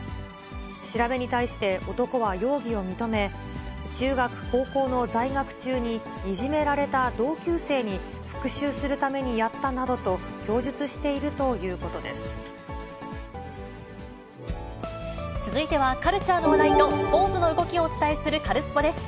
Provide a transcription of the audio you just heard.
調べに対して男は容疑を認め、中学、高校の在学中にいじめられた同級生に復しゅうするためにやったな続いては、カルチャーの話題と、スポーツの動きをお伝えするカルスポっ！です。